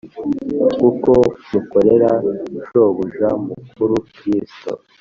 kuko mukorera Shobuja mukuru Kristo